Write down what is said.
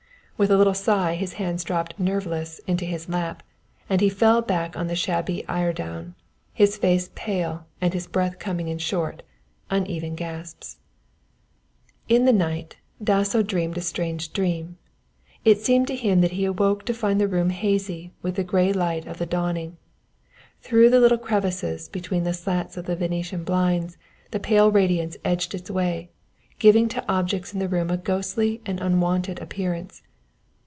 With a little sigh his hands dropped nerveless into his lap and he fell back on the shabby eiderdown, his face pale and his breath coming in short, uneven gasps. In the night Dasso dreamed a strange dream. It seemed to him that he awoke to find the room hazy with the grey light of the dawning. Through the little crevices between the slats of the Venetian blinds the pale radiance edged its way, giving to objects in the room a ghostly and unwonted appearance.